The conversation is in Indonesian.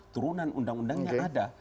turunan undang undangnya ada